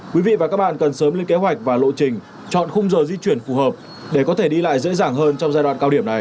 quý vị và các bạn cần sớm lên kế hoạch và lộ trình chọn khung giờ di chuyển phù hợp để có thể đi lại dễ dàng hơn trong giai đoạn cao điểm này